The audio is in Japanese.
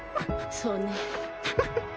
そうね。